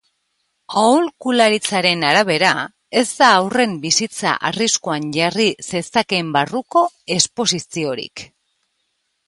Aholkularitzaren arabera, ez da haurren bizitza arriskuan jarri zezakeen barruko esposiziorik.